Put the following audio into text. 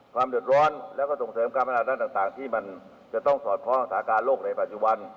ความเดือดร้อนและก็ส่งเสริมการประมาณนั้นต่างที่มันจะต้องสอดเพราะอุตสาหการโลกในปัจจุบัน